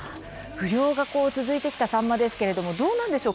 不漁が続いてきたサンマですけれどもどうなんでしょうか